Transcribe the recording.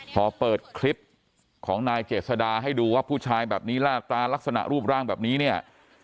พอเปิดคลิปของนายเจษดาให้ดูว่าผู้ชายแบบนี้ลากตาลักษณะรูปร่างแบบนี้เนี่ย